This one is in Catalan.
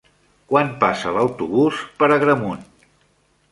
Quan passa l'autobús per Agramunt?